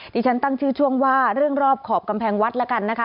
ที่ฉันตั้งชื่อช่วงว่าเรื่องรอบขอบกำแพงวัดแล้วกันนะคะ